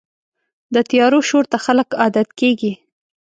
د طیارو شور ته خلک عادت کېږي.